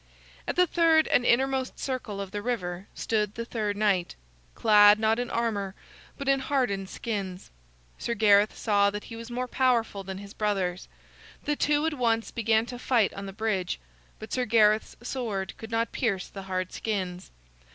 At the third and innermost circle of the river stood the third knight, clad not in armor, but in hardened skins. Sir Gareth saw that he was more powerful than his brothers. The two at once began to fight on the bridge, but Sir Gareth's sword could not pierce the hard skins.